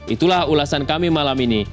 itulah ulasan kami malam ini